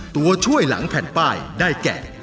ตัวช่วยหลังแผ่นป้ายได้แก่